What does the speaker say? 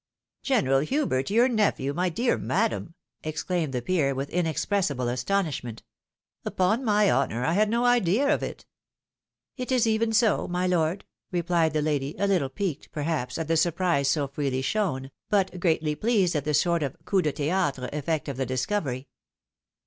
" General Hubert your nephew, my dear madam !" exclaimed the peer with inexpressible astonishment, " upon my honour I had no idea of it." " It ia even so, my lord," rephed the lady, a Uttle piqued, perhaps, at the surprise so freely shown, but greatly pleased at the sort of coup de theatre efl'eet of the discovery.